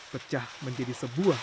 pecah menjadi sebuah kota